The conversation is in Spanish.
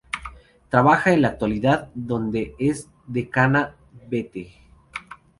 Trabaja en la facultad donde es decana Bette.